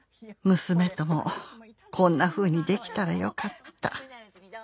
「娘ともこんなふうにできたらよかった」